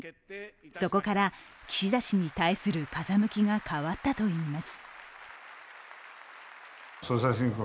そこから岸田氏に対する風向きが変わったといいます。